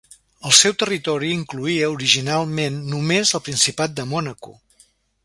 El seu territori incloïa originalment només el principat de Mònaco.